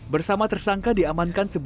bersama tersangka diamankan